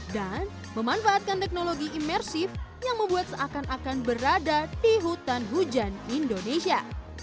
dan memanfaatkan teknologi imersif yang membuat seakan akan berada di hutan hujan indonesia